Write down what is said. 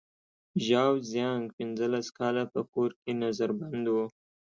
ژاو زیانګ پنځلس کاله په کور کې نظر بند و.